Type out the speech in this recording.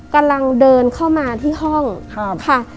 กำลังเดินเข้ามาที่ห้องค่ะ